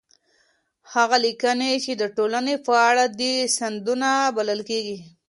هغه ليکنې چي د ټولني په اړه دي، سندونه بلل کيږي.